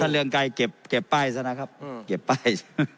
เรืองไกรเก็บป้ายซะนะครับเก็บป้าย